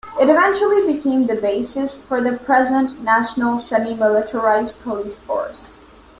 It eventually became the basis for the present national semi-militarised police force.